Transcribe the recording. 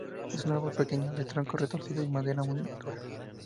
Es un árbol pequeño, de tronco retorcido y su madera es muy dura.